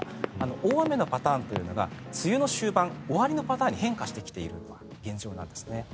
大雨のパターンというのが梅雨の終盤終わりのパターンに変化してきているのが現状です。